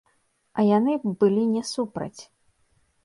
А яны б былі не супраць.